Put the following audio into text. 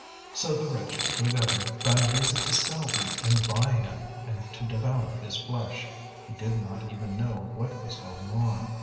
So the rich, who governed, found it easy to sell him and buy him, and to devour his flesh; he did not even know what was going on.